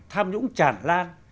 tham nhũng tràn lan